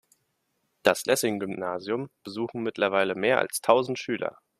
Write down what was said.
Das Lessing-Gymnasium besuchen mittlerweile mehr als tausend Schüler.